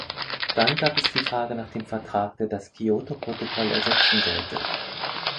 Dann gab es die Frage nach dem Vertrag, der das Kyoto-Protokoll ersetzen sollte.